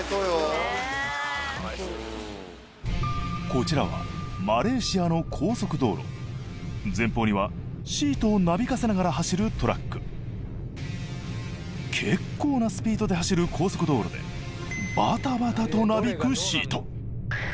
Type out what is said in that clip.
こちらはマレーシアの高速道路前方にはシートをなびかせながら走るトラック結構なスピードで走る高速道路でバタバタとなびくシート